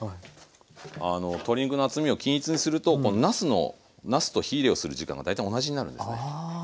あの鶏肉の厚みを均一にするとこのなすのなすと火入れをする時間が大体同じになるんですね。